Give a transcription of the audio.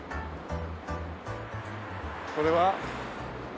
これは？